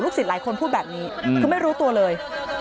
ศิษย์หลายคนพูดแบบนี้คือไม่รู้ตัวเลย